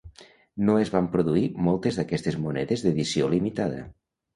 No es van produir moltes d'aquestes monedes d'edició limitada.